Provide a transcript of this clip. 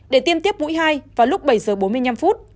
để tiêm tiếp mũi hai vào lúc bảy h bốn mươi năm